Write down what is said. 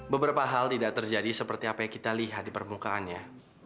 beberapa hal tidak terjadi seperti apa yang kita lihat di permukaannya